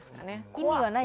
意味がない？